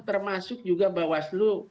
termasuk juga bawaslu